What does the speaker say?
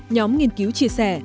nhóm nghiên cứu chia sẻ